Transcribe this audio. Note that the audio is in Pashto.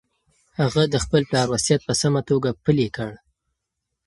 هغه د خپل پلار وصیت په سمه توګه پلي کړ.